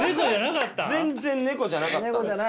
全然ネコじゃなかったんです。